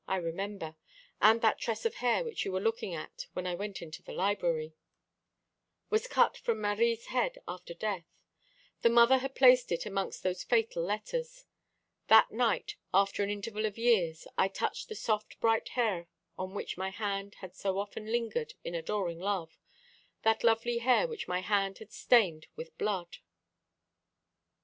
"I remember. And that tress of hair which you were looking at when I went into the library " "Was cut from Marie's head after death. The mother had placed it amongst those fatal letters. That night, after an interval of years, I touched the soft bright hair on which my hand had so often lingered in adoring love that lovely hair which my hand had stained with blood."